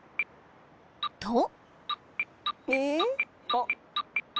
［と］